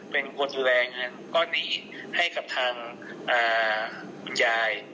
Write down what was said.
เป็นคนดูแลเงินก้อนนี้ให้กับทางคุณยาย